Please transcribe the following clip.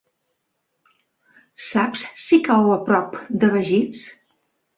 Saps si cau a prop de Begís?